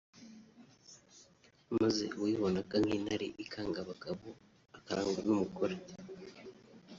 maze uwibonaga nk’intare ikanga abagabo akaragwa n’umugore